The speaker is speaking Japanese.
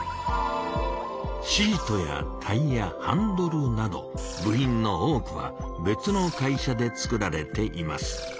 シートやタイヤハンドルなど部品の多くは別の会社で作られています。